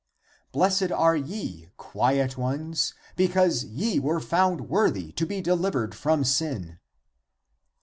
Blessed are ye quiet ones (because ye were found worthy) to be delivered from sin."